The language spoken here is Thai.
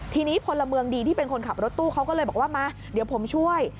ทีนี้พลเมืองดีที่เป็นคนขับรถตู้เขาก็เลยบอกว่ามาเดี๋ยวผมช่วย